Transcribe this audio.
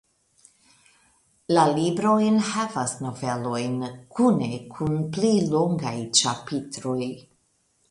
La libro enhavas novelojn kune kun pli longaj ĉapitroj.